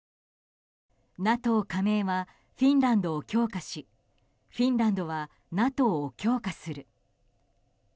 ＮＡＴＯ加盟はフィンランドを強化しフィンランドはＮＡＴＯを強化する。